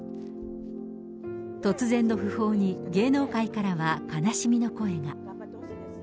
突然の訃報に、芸能界からは悲しみの声が。